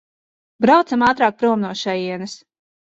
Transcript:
Braucam ātrāk prom no šejienes!